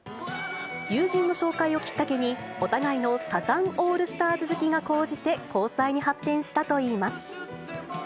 友人の紹介をきっかけに、お互いのサザンオールスターズ好きが高じて交際に発展したといいます。